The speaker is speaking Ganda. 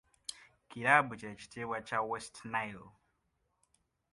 Kilaabu kye kitiibwa kya west Nile